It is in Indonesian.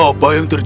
apa yang terjadi